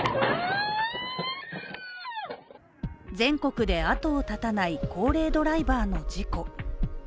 全国で後を絶たない高齢ドライバーの事故。